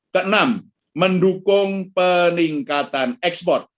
keenam mendukung peningkatan ekspor